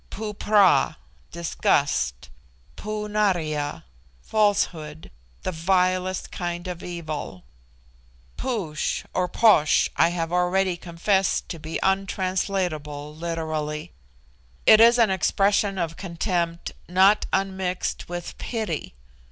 Poo pra, disgust; Poo naria, falsehood, the vilest kind of evil. Poosh or Posh I have already confessed to be untranslatable literally. It is an expression of contempt not unmixed with pity.